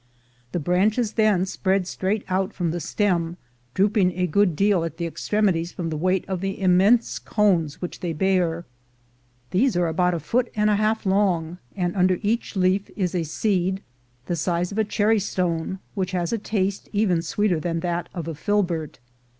The branches then spread straight out from the stem, drooping a good deal at the extremities from the weight of the immense cones which they bear. These are about a foot and a half long, and under each leaf is a seed the size of a cherrystone, which has a taste even sweeter than that of a filbert.